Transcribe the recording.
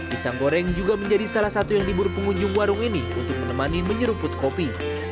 pisang goreng juga menjadi salah satu yang diburu pengunjung warung ini untuk menemani menyeruput kopi